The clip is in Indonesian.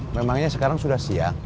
memangnya sekarang sudah siang